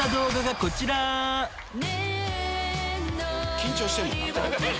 緊張してるもんな。